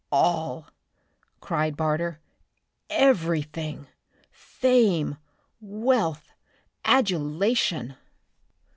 "All!" cried Barter. "Everything! Fame! Wealth! Adulation!